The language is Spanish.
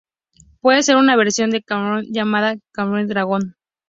Puede usar una versión del Kamehameha llamada "Kamehameha Dragón".